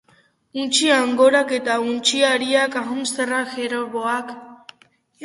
Untxi-angorak eta untxiahariak, hamsterrak, jerboak.